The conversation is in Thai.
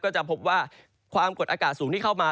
จะพบว่าความกดอากาศสูงที่เข้ามา